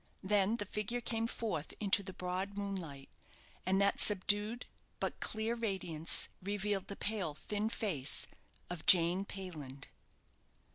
Then the figure came forth into the broad moonlight; and that subdued, but clear radiance, revealed the pale, thin face of Jane Payland.